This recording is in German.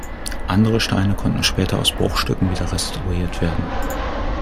Andere Steine konnten später aus Bruchstücken wieder restauriert werden.